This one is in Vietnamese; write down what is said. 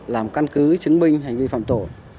làm căn cứ chứng minh hành vi phạm tổ